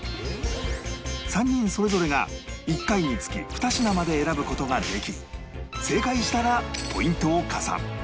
３人それぞれが１回につき２品まで選ぶ事ができ正解したらポイントを加算